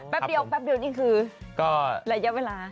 แป๊บเดียวนี่คือระยะเวลา